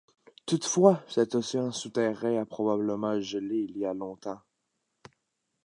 Toutefois, cet océan souterrain a probablement gelé il y a longtemps.